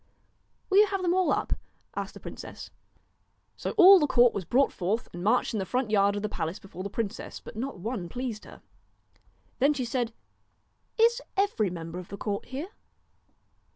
' Will you have them all up ?' asked the princess. So all the court was brought forward and marched 140 in the front yard of the palace before the princess, DON'T but not one pleased her. KNOW Then she said :' Is every member of the court here?'